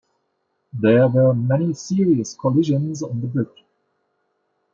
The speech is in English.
There were many serious collisions on the bridge.